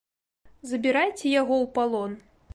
Забірайце яго ў палон!